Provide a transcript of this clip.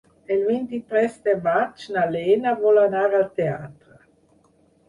El vint-i-tres de maig na Lena vol anar al teatre.